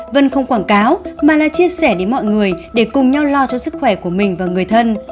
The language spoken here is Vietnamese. vân không quảng cáo mà là chia sẻ đến mọi người để cùng nhau lo cho sức khỏe của mình và người thân